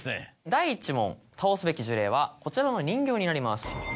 第１問倒すべき呪霊はこちらの人形になります。